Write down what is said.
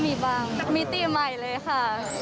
มีบ้างมิติใหม่เลยค่ะ